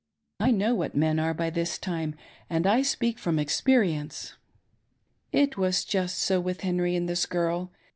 I know what men are by this time, and I speak from experience. " It was just so with Hehry and this girl.